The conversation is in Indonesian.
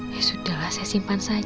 ya sudahlah saya simpan saja